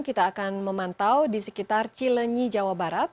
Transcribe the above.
kita akan memantau di sekitar cilenyi jawa barat